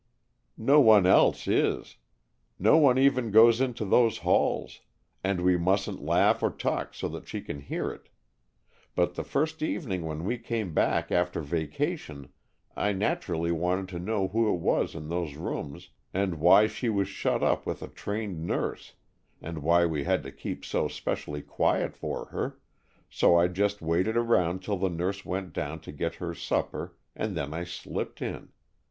"No one else is. No one even goes into those halls, and we mustn't laugh or talk so that she can hear it. But the first evening when we came back after vacation, I naturally wanted to know who it was in those rooms and why she was shut up with a trained nurse and why we had to keep so specially quiet for her, so I just waited around till the nurse went down to get her supper and then I slipped in.